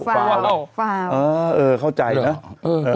ฟังเออเข้าใจเนอะ